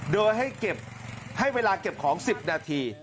โดยให้เวลาเก็บของ๑๐นาที